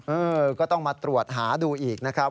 เออก็ต้องมาตรวจหาดูอีกนะครับ